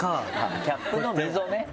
キャップの溝ね。